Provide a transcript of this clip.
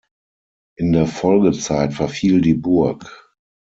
In der Folgezeit verfiel die Burg.